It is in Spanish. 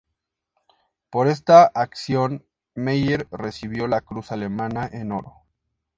Por esta acción, Meyer recibió la Cruz Alemana en Oro.